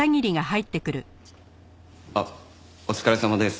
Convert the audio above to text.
あっお疲れさまです。